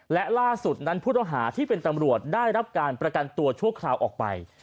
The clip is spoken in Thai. และล่าสุดนั้นผู้ต้องหาที่เป็นตำรวจได้รับการประกันตัวชั่วคราวออกไป